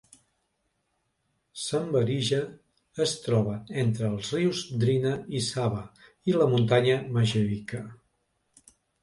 Semberija es troba entre els rius Drina i Sava i la muntanya Majevica.